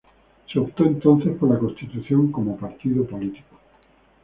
Se optó entonces por la constitución como partido político.